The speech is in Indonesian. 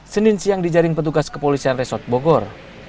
senin siang dijaring petugas kepolisian resot bogor